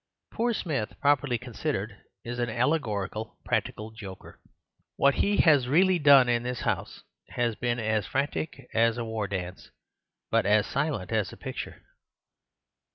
Poor Smith, properly considered, is an allegorical practical joker. What he has really done in this house has been as frantic as a war dance, but as silent as a picture."